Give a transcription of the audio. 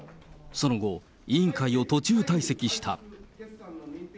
その後、委員会を途中退席した。